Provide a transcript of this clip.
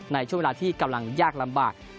ในช่วงเวลาที่กำลังยากลำบาก